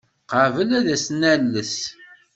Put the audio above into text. Qabel ad as-nales.